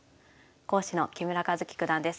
講師の木村一基九段です。